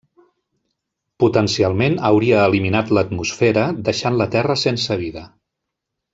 Potencialment hauria eliminat l'atmosfera, deixant la Terra sense vida.